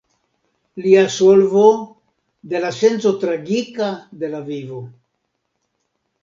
Lia solvo: "De la senco tragika de la vivo".